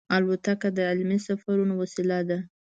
الوتکه د علمي سفرونو وسیله ده.